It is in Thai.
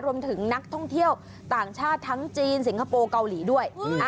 รวมถึงนักท่องเที่ยวต่างชาติทั้งจีนสิงคโปร์เกาหลีด้วย